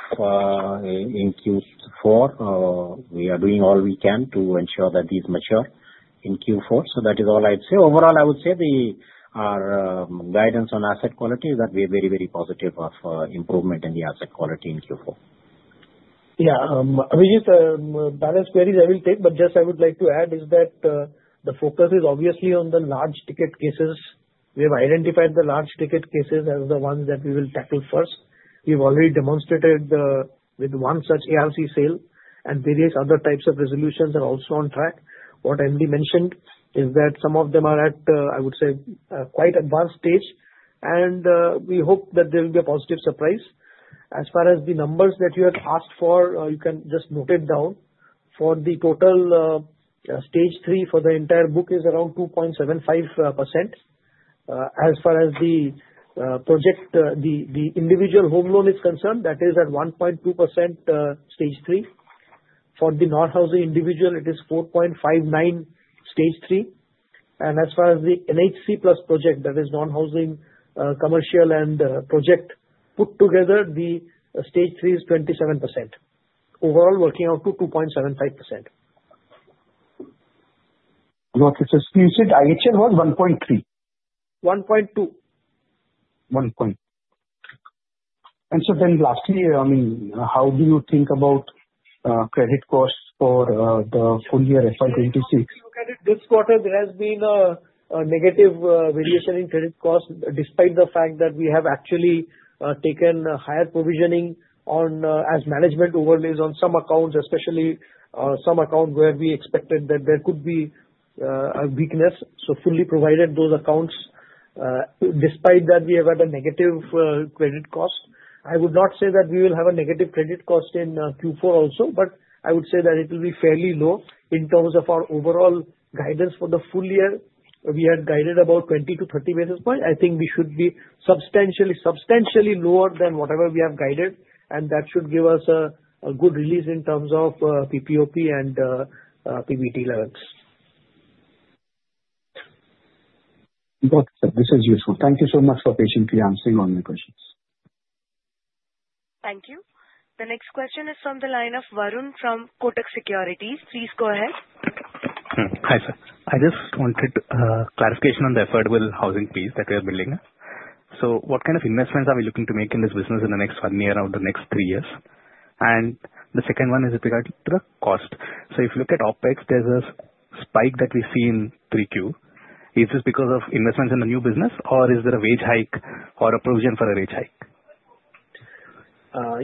in Q4. We are doing all we can to ensure that these mature in Q4. So that is all I'd say. Overall, I would say our guidance on asset quality is that we are very, very positive of improvement in the asset quality in Q4. Yeah. Abhijit, balance queries I will take, but just I would like to add is that the focus is obviously on the large ticket cases. We have identified the large ticket cases as the ones that we will tackle first. We've already demonstrated with one such ARC sale, and various other types of resolutions are also on track. What MD mentioned is that some of them are at, I would say, quite advanced stage, and we hope that there will be a positive surprise. As far as the numbers that you have asked for, you can just note it down. For the total stage three for the entire book is around 2.75%. As far as the project, the Individual Home Loan is concerned, that is at 1.2% stage three. For the non-housing individual, it is 4.59% stage three. As far as the NHC plus project, that is non-housing commercial and project put together, the stage three is 27%. Overall, working out to 2.75%. Got it. You said IHL was 1.3%? 1.2%. And so then lastly, I mean, how do you think about credit costs for the full year FY 2026? Look at it. This quarter, there has been a negative variation in credit costs despite the fact that we have actually taken higher provisioning as management overlays on some accounts, especially some accounts where we expected that there could be a weakness. So fully provided those accounts, despite that, we have had a negative credit cost. I would not say that we will have a negative credit cost in Q4 also, but I would say that it will be fairly low in terms of our overall guidance for the full year. We had guided about 20-30 basis points. I think we should be substantially lower than whatever we have guided, and that should give us a good release in terms of PPOP and PBT levels. Got it, sir. This is useful. Thank you so much for patiently answering all my questions. Thank you. The next question is from the line of Varun from Kotak Securities. Please go ahead. Hi, sir. I just wanted clarification on the affordable housing fees that we are building. So what kind of investments are we looking to make in this business in the next one year or the next three years? And the second one is with regard to the cost. So if you look at OpEx, there's a spike that we've seen in Q3. Is this because of investments in the new business, or is there a wage hike or a provision for a wage hike?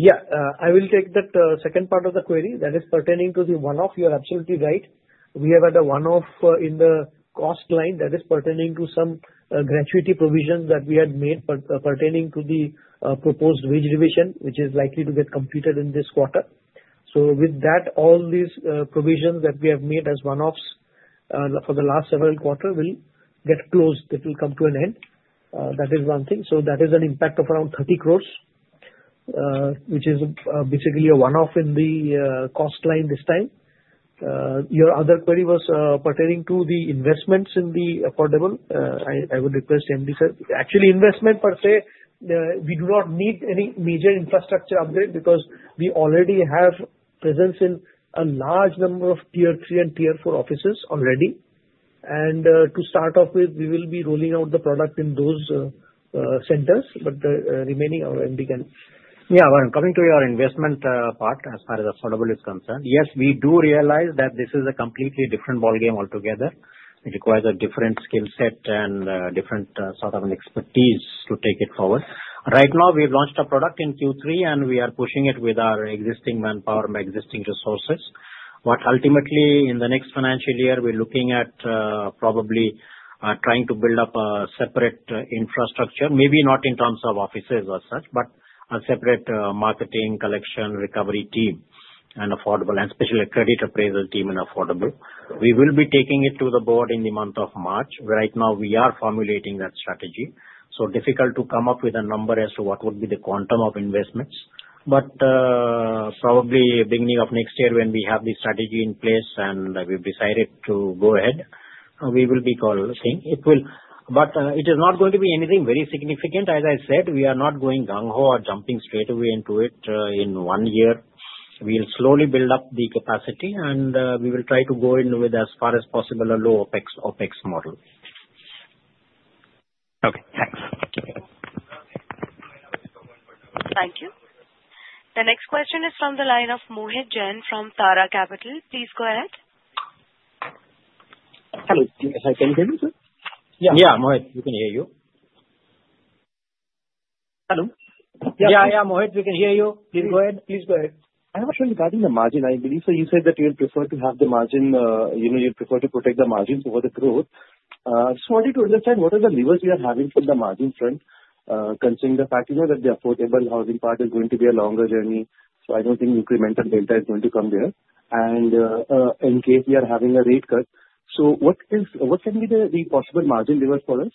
Yeah. I will take that second part of the query that is pertaining to the one-off. You're absolutely right. We have had a one-off in the cost line that is pertaining to some gratuity provisions that we had made pertaining to the proposed wage revision, which is likely to get completed in this quarter. So with that, all these provisions that we have made as one-offs for the last several quarters will get closed. It will come to an end. That is one thing. So that is an impact of around 30 crores, which is basically a one-off in the cost line this time. Your other query was pertaining to the investments in the affordable housing. I would request MD actually on investment per se. We do not need any major infrastructure upgrade because we already have presence in a large number of Tier 3 and Tier 4 offices already. And to start off with, we will be rolling out the product in those centers, but the remaining MD can. Yeah. Coming to your investment part, as far as affordable is concerned, yes, we do realize that this is a completely different ballgame altogether. It requires a different skill set and different sort of an expertise to take it forward. Right now, we've launched a product in Q3, and we are pushing it with our existing manpower, my existing resources. But ultimately, in the next financial year, we're looking at probably trying to build up a separate infrastructure, maybe not in terms of offices or such, but a separate marketing, collection, recovery team, and especially a credit appraisal team in affordable. We will be taking it to the board in the month of March. Right now, we are formulating that strategy. So difficult to come up with a number as to what would be the quantum of investments. But probably beginning of next year, when we have the strategy in place and we've decided to go ahead, we will be calling. But it is not going to be anything very significant. As I said, we are not going gung ho or jumping straight away into it in one year. We'll slowly build up the capacity, and we will try to go in with, as far as possible, a low OpEx model. Okay. Thanks. Thank you. The next question is from the line of Mohit Jain from Tara Capital. Please go ahead. Hello. Can you hear me, sir? Yeah. Yeah, Mohit. We can hear you. Hello? Yeah, yeah, Mohit. We can hear you. Please go ahead. Please go ahead. I have a question regarding the margin. I believe so you said that you would prefer to have the margin you'd prefer to protect the margins over the growth. I just wanted to understand what are the levers you are having from the margin front, considering the fact that the affordable housing part is going to be a longer journey. So I don't think incremental delta is going to come there. And in case we are having a rate cut, so what can be the possible margin levers for us?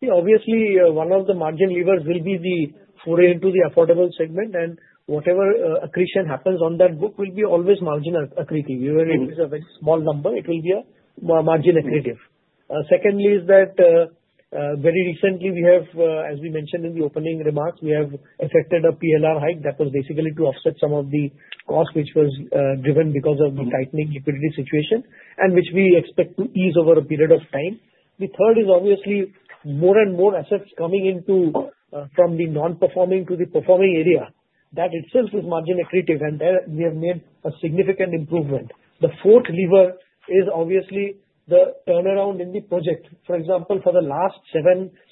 Yeah. Obviously, one of the margin levers will be the foray into the affordable segment, and whatever accretion happens on that book will be always margin accretive. Even if it is a very small number, it will be a margin accretive. Secondly is that very recently, we have, as we mentioned in the opening remarks, we have affected a PLR hike that was basically to offset some of the cost, which was driven because of the tightening liquidity situation, and which we expect to ease over a period of time. The third is obviously more and more assets coming in from the non-performing to the performing area. That itself is margin accretive, and there we have made a significant improvement. The fourth lever is obviously the turnaround in the project. For example, for the last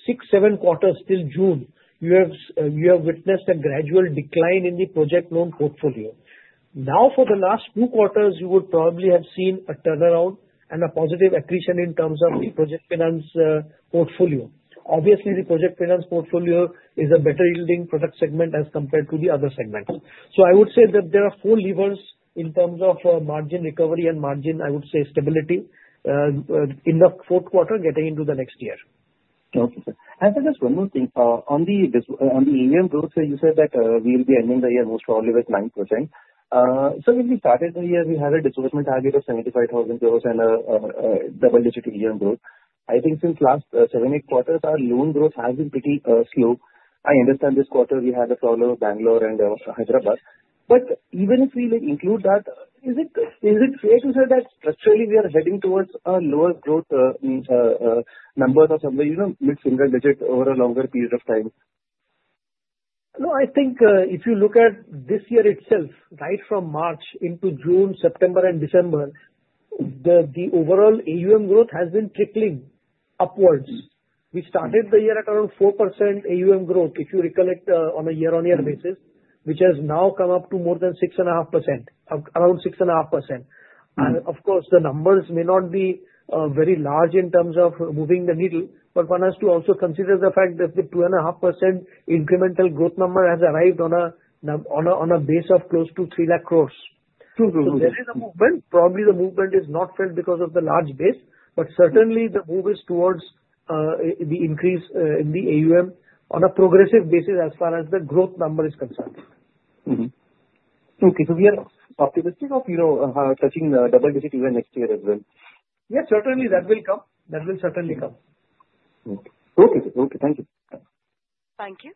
six, seven quarters till June, you have witnessed a gradual decline in the project loan portfolio. Now, for the last two quarters, you would probably have seen a turnaround and a positive accretion in terms of the project finance portfolio. Obviously, the project finance portfolio is a better-yielding product segment as compared to the other segments. So I would say that there are four levers in terms of margin recovery and margin, I would say, stability in the fourth quarter getting into the next year. Okay. Just one more thing. On the modest growth, you said that we'll be ending the year most probably with 9%. So when we started the year, we had a disbursement target of 75,000 crores and a double-digit modest growth. I think since last seven, eight quarters, our loan growth has been pretty slow. I understand this quarter we had a problem with Bangalore and Hyderabad. But even if we include that, is it fair to say that structurally we are heading towards a lower growth number of some way, mid-single digit over a longer period of time? No, I think if you look at this year itself, right from March into June, September, and December, the overall AUM growth has been trickling upwards. We started the year at around 4% AUM growth, if you recollect on a year-on-year basis, which has now come up to more than 6.5%, around 6.5%. And of course, the numbers may not be very large in terms of moving the needle, but one has to also consider the fact that the 2.5% incremental growth number has arrived on a base of close to 3 lakh crores. So there is a movement. Probably the movement is not felt because of the large base, but certainly the move is towards the increase in the AUM on a progressive basis as far as the growth number is concerned. Okay. So we are optimistic of touching the double-digit even next year as well. Yeah, certainly that will come. That will certainly come. Okay. Thank you. Thank you.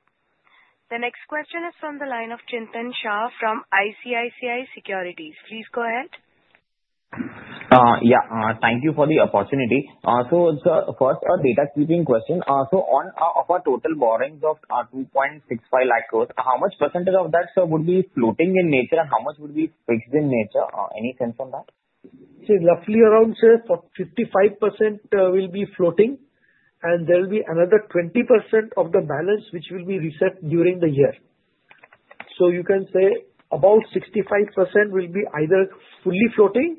The next question is from the line of Chintan Shah from ICICI Securities. Please go ahead. Yeah. Thank you for the opportunity. So first, a housekeeping question. So on your total borrowings of 2.65 lakh crore, how much percentage of that would be floating in nature, and how much would be fixed in nature? Any sense on that? See, roughly around say 55% will be floating, and there will be another 20% of the balance which will be reset during the year. So you can say about 65% will be either fully floating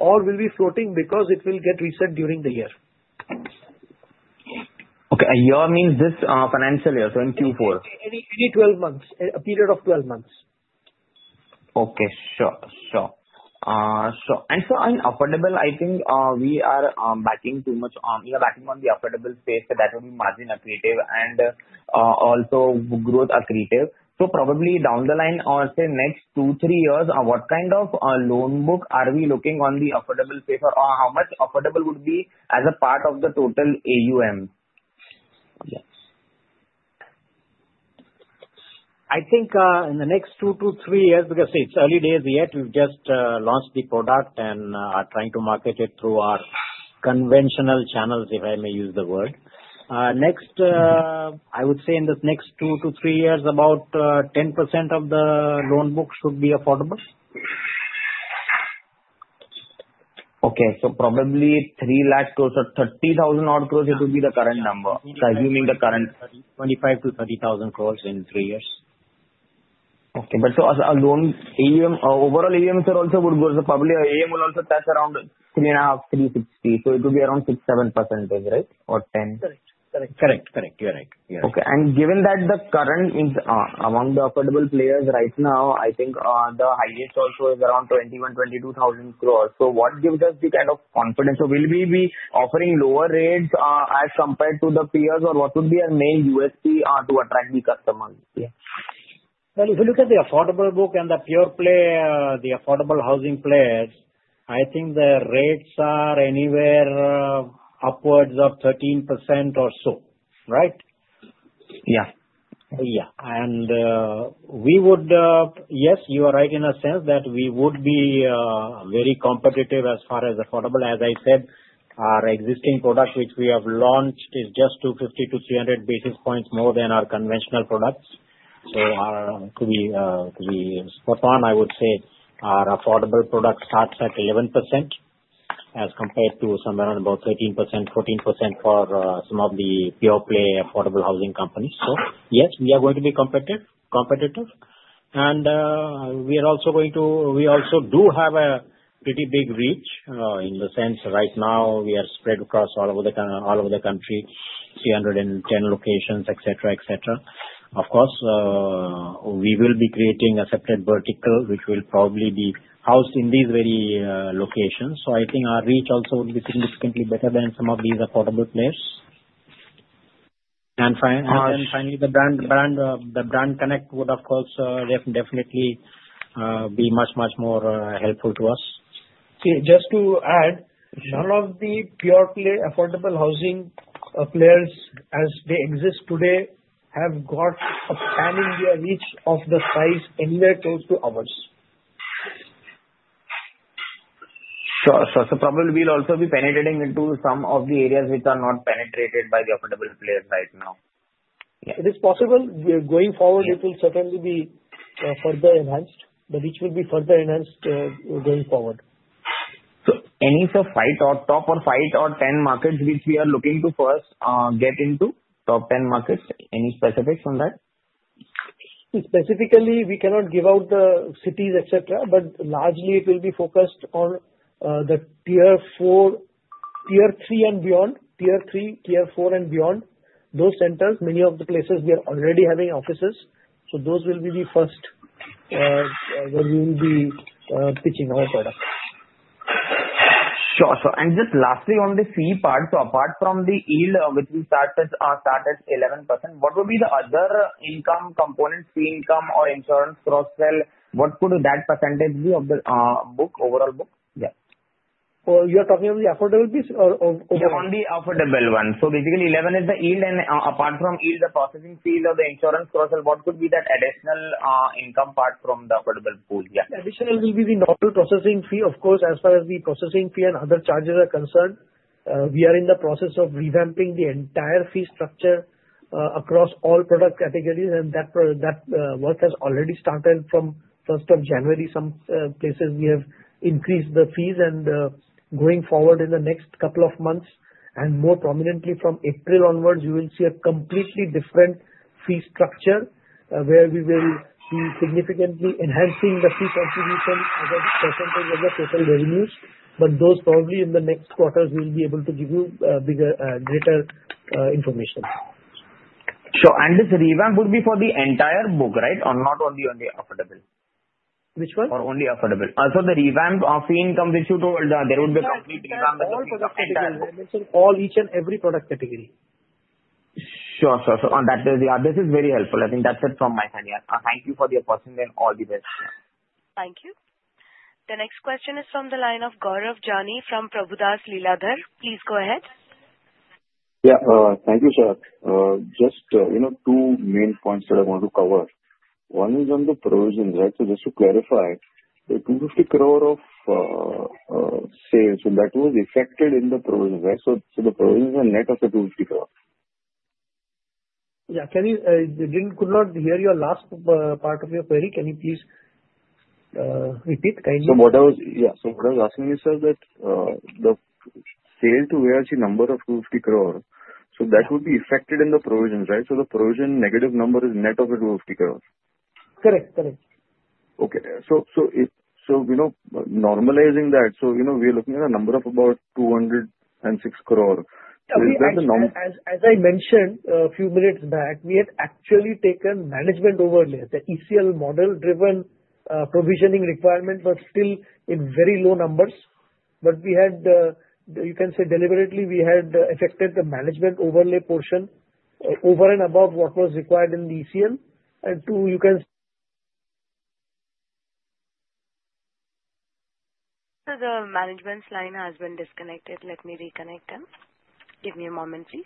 or will be floating because it will get reset during the year. Okay. A year means this financial year so in Q4? Any 12 months, a period of 12 months. Okay. Sure. In affordable, I think we are banking too much on the affordable phase that will be margin accretive and also growth accretive. So probably down the line or say next two, three years, what kind of loan book are we looking on the affordable phase or how much affordable would be as a part of the total AUM? I think in the next two, three years, because it's early days yet, we've just launched the product and are trying to market it through our conventional channels, if I may use the word. In the next two, three years, about 10% of the loan book should be affordable. Okay. So probably 3 lakh crores or 30,000-odd crores it would be the current number. So assuming the current 25,000 crores-30,000 crores in three years. Okay. But so a loan AUM, overall AUM also would go probably AUM will also touch around 3.5, 3.6. So it would be around 6%-7%, right? Or 10%? Correct. Correct. Correct. Correct. You're right. You're right. Okay. And given that the current AUM among the affordable players right now, I think the highest also is around 21 thousand crores-22 thousand crores. So what gives us the kind of confidence? So will we be offering lower rates as compared to the peers, or what would be our main USP to attract the customers? Yeah. If you look at the affordable book and the pure play, the affordable housing players, I think the rates are anywhere upwards of 13% or so, right? Yeah. Yeah. And we would, yes, you are right in a sense that we would be very competitive as far as affordable. As I said, our existing product which we have launched is just 250-300 basis points more than our conventional products. So to be spot on, I would say our affordable product starts at 11% as compared to somewhere around about 13%-14% for some of the pure play affordable housing companies. So yes, we are going to be competitive. And we also do have a pretty big reach in the sense right now we are spread across all over the country, 310 locations, etc., etc. Of course, we will be creating a separate vertical which will probably be housed in these very locations. So I think our reach also would be significantly better than some of these affordable players. And finally, the brand connect would, of course, definitely be much, much more helpful to us. See, just to add, none of the pure play affordable housing players as they exist today have got a Pan-India reach of the size anywhere close to ours. Sure. So probably we'll also be penetrating into some of the areas which are not penetrated by the affordable players right now. Yeah. It is possible. Going forward, it will certainly be further enhanced, but it will be further enhanced going forward. Any top five or top 10 markets which we are looking to first get into? Top 10 markets? Any specifics on that? Specifically, we cannot give out the cities, etc., but largely it will be focused on the Tier 3 and beyond, Tier 3, Tier 4, and beyond. Those centers, many of the places we are already having offices. So those will be the first where we will be pitching our product. Sure, and just lastly on the fee part, so apart from the yield which we started at 11%, what would be the other income component, fee income or insurance cross-sell? What could that percentage be of the book, overall book? Yeah. You are talking of the affordable piece or overall? Yeah, on the affordable one. So basically 11% is the yield, and apart from yield, the processing fees or the insurance cross-sell, what could be that additional income part from the affordable pool? Yeah. Additional will be the normal processing fee. Of course, as far as the processing fee and other charges are concerned, we are in the process of revamping the entire fee structure across all product categories, and that work has already started from 1st January. Some places we have increased the fees, and going forward in the next couple of months, and more prominently from April onwards, you will see a completely different fee structure where we will be significantly enhancing the fee contribution as a percentage of the total revenues. But those probably in the next quarters we'll be able to give you greater information. Sure. And this revamp would be for the entire book, right? Or not only on the affordable? Which one? Or only affordable? So the revamp of fee income which you told, there would be a complete revamp as a product category? All product categories. I mentioned all each and every product category. Sure. Sure. So this is very helpful. I think that's it from my side. Yeah. Thank you for your question, and all the best. Thank you. The next question is from the line of Gaurav Jani from Prabhudas Lilladher. Please go ahead. Yeah. Thank you, sir. Just two main points that I want to cover. One is on the provisions, right? So just to clarify, the 250 crore of sales that was effected in the provisions, right? So the provisions are net of the 250 crore. Yeah. Could not hear your last part of your query. Can you please repeat kindly? So what I was asking you, sir, that the sale to ARC number of 250 crore, so that would be effected in the provisions, right? So the provision negative number is net of the 250 crore? Correct. Correct. Okay. So normalizing that, so we are looking at a number of about 206 crore. As I mentioned a few minutes back, we had actually taken management overlay, the ECL model-driven provisioning requirement, but still in very low numbers. But we had, you can say deliberately, we had effected the management overlay portion over and above what was required in the ECL. And two, you can. So the management's line has been disconnected. Let me reconnect them. Give me a moment, please.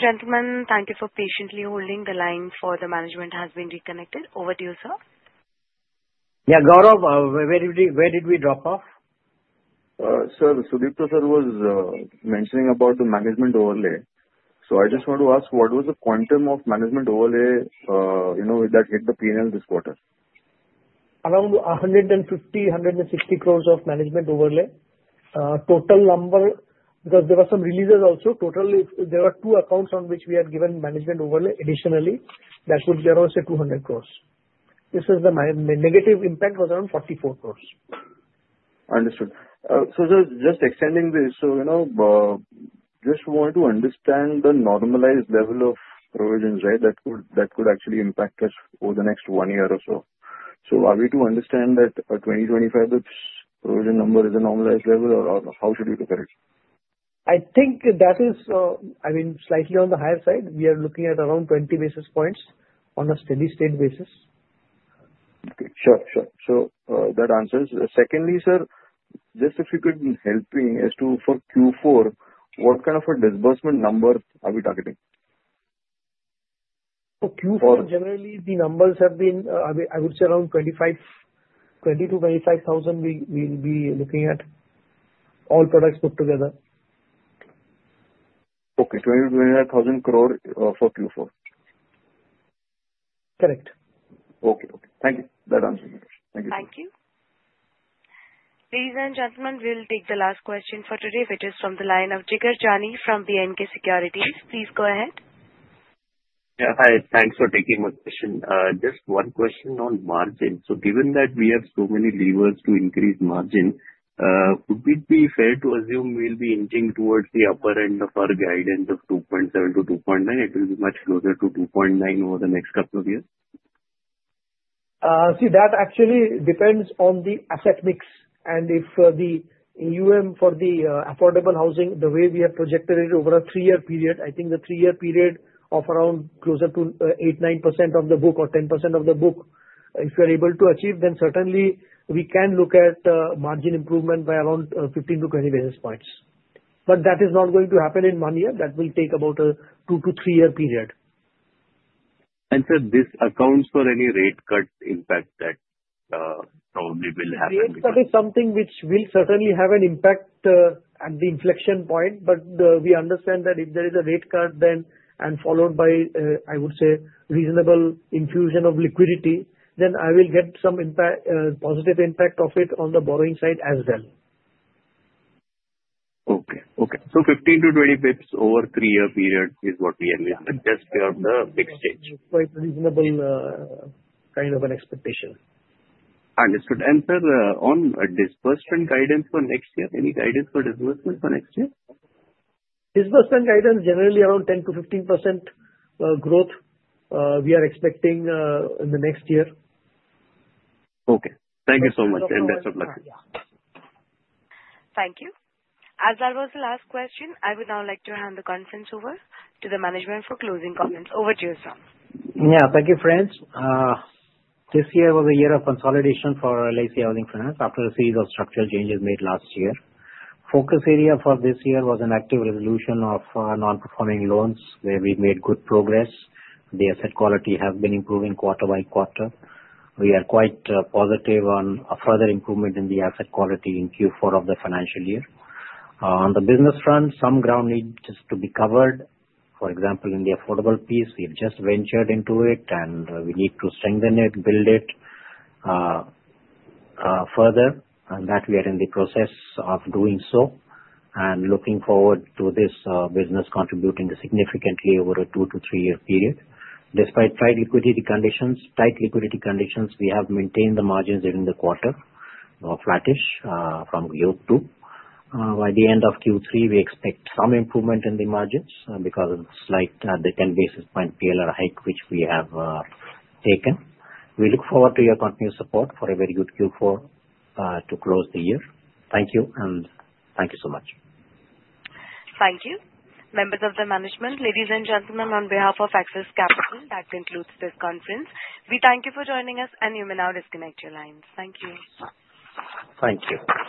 Ladies and gentlemen, thank you for patiently holding the line, the management has been reconnected. Over to you, sir. Yeah. Gaurav, where did we drop off? Sir, Sudipto Sil was mentioning about the management overlay. So I just want to ask, what was the quantum of management overlay that hit the P&L this quarter? Around 150 crores-160 crores of management overlay. Total number, because there were some releases also, total there were two accounts on which we had given management overlay additionally. That would be around, say, 200 crores. This is the negative impact was around 44 crores. Understood. So just extending this, so just wanted to understand the normalized level of provisions, right, that could actually impact us for the next one year or so. So are we to understand that 2025, the provision number is a normalized level, or how should we look at it? I think that is, I mean, slightly on the higher side. We are looking at around 20 basis points on a steady-state basis. Okay. Sure. Sure. So that answers. Secondly, sir, just if you could help me as to for Q4, what kind of a disbursement number are we targeting? For Q4, generally, the numbers have been, I would say, around 20 thousand crore-25 thousand crore we'll be looking at all products put together. Okay. 20 thousand crore-25 thousand crore for Q4. Correct. Okay. Okay. Thank you. That answers my question. Thank you. Thank you. Ladies and gentlemen, we'll take the last question for today, which is from the line of Jigar Jani from B&K Securities. Please go ahead. Yeah. Hi. Thanks for taking my question. Just one question on margin. So given that we have so many levers to increase margin, would it be fair to assume we'll be inching towards the upper end of our guidance of 2.7%-2.9%? It will be much closer to 2.9% over the next couple of years. See, that actually depends on the asset mix, and if the AUM for the affordable housing, the way we have projected it over a three-year period, I think the three-year period of around closer to 8%-9% of the book or 10% of the book, if we are able to achieve, then certainly we can look at margin improvement by around 15-20 basis points, but that is not going to happen in one year. That will take about a two- to three-year period. Sir, this accounts for any rate cut impact that probably will happen? Rate cut is something which will certainly have an impact at the inflection point, but we understand that if there is a rate cut then and followed by, I would say, reasonable infusion of liquidity, then I will get some positive impact of it on the borrowing side as well. 15-20 basis points over a three-year period is what we are looking at just beyond the big stage. It's quite reasonable kind of an expectation. Understood. And sir, on disbursement guidance for next year, any guidance for disbursement for next year? Disbursement guidance generally around 10%-15% growth we are expecting in the next year. Okay. Thank you so much. And best of luck. Thank you. As that was the last question, I would now like to hand the conference over to the management for closing comments. Over to you, sir. Yeah. Thank you, friends. This year was a year of consolidation for LIC Housing Finance after a series of structural changes made last year. Focus area for this year was an active resolution of non-performing loans where we made good progress. The asset quality has been improving quarter by quarter. We are quite positive on a further improvement in the asset quality in Q4 of the financial year. On the business front, some ground needs to be covered. For example, in the affordable piece, we have just ventured into it, and we need to strengthen it, build it further, and that we are in the process of doing so and looking forward to this business contributing significantly over a two- to three-year period. Despite tight liquidity conditions, we have maintained the margins during the quarter, flat-ish from Q2. By the end of Q3, we expect some improvement in the margins because of the slight 10 basis points PLR hike which we have taken. We look forward to your continued support for a very good Q4 to close the year. Thank you, and thank you so much. Thank you. Members of the management, ladies and gentlemen, on behalf of Axis Capital, that concludes this conference. We thank you for joining us, and you may now disconnect your lines. Thank you. Thank you.